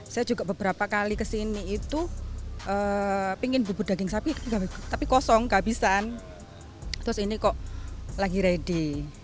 saya juga beberapa kali kesini itu pingin bubur daging sapi tapi kosong kehabisan terus ini kok lagi ready